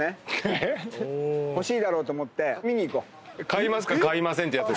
「買います」か「買いません」ってやつ？